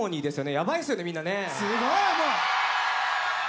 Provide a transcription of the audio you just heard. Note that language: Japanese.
やばいですよねみんなね。